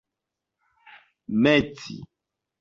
meti